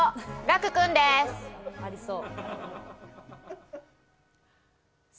ありそう。